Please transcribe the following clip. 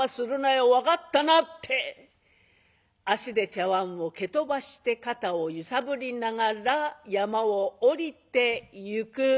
分かったな」って足で茶わんを蹴飛ばして肩を揺さぶりながら山を下りてゆく。